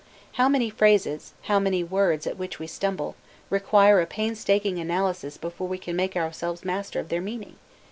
How many phrases, how many words at which we stumble, require a painstaking analysis before we can make ourselves master of their meaning!